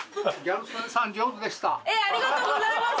ありがとうございます。